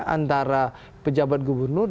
antara pejabat gubernur